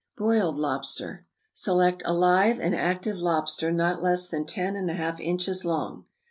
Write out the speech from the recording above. =Broiled Lobster.= Select alive and active lobster not less than ten and a half inches long.